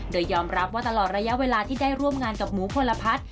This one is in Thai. โดยยอมรับว่าตลอดระยะเวลาที่ได้ร่วมงานกับหมูพลพัฒน์